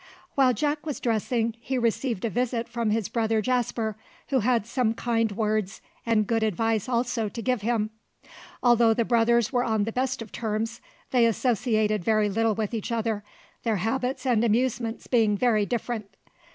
While Jack was dressing, he received a visit from his brother Jasper, who had some kind words and good advice also to give him. Although the brothers were on the best of terms, they associated very little with each other, their habits and amusements being very different.